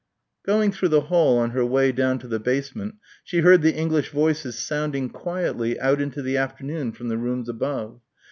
Going through the hall on her way down to the basement she heard the English voices sounding quietly out into the afternoon from the rooms above.